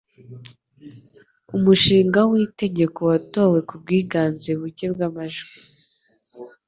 Umushinga w’itegeko watowe ku bwiganze buke bw’amajwi .